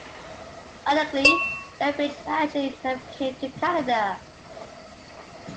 Ironically, Lethbridge actually never came to Canada.